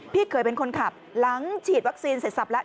พี่เคยเป็นคนขับหลังฉีดวัคซีนเสร็จสับแล้ว